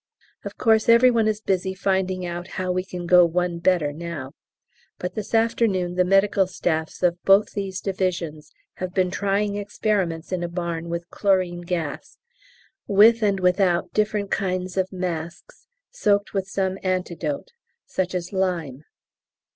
Of course every one is busy finding out how we can go one better now. But this afternoon the medical staffs of both these divisions have been trying experiments in a barn with chlorine gas, with and without different kinds of masks soaked with some antidote, such as lime.